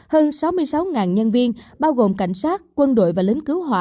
hơn sáu mươi sáu nhân viên bao gồm cảnh sát quân đội và lính cứu hỏa